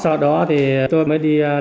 sau đó thì tôi mới đi